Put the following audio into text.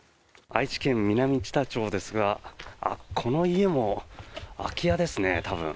愛知県南知多町ですがこの家も空き家ですね、多分。